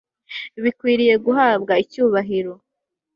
bikwiriye guhabwa icyubahiro